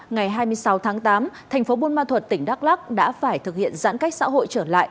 ngày hai mươi sáu tháng tám thành phố buôn ma thuật tỉnh đắk lắc đã phải thực hiện giãn cách xã hội trở lại